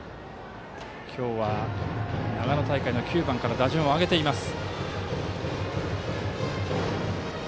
今日は長野大会の９番から打順を上げています。